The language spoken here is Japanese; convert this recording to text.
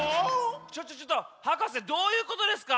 ちょっとちょっとはかせどういうことですか？